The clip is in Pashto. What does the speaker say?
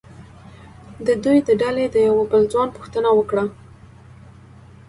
د دوی د ډلې د یوه بل ځوان پوښتنه وکړه.